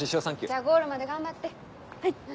じゃあゴールまで頑張って。